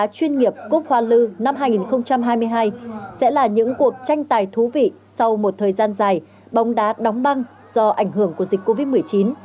chuyên nghiệp cúp hoa lư năm hai nghìn hai mươi hai sẽ là những cuộc tranh tài thú vị sau một thời gian dài bóng đá đóng băng do ảnh hưởng của dịch covid một mươi chín